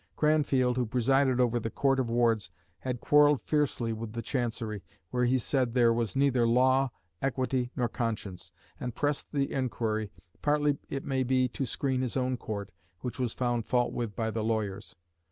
Cranfield, who presided over the Court of Wards, had quarrelled fiercely with the Chancery, where he said there was "neither Law, Equity, nor Conscience," and pressed the inquiry, partly, it may be, to screen his own Court, which was found fault with by the lawyers.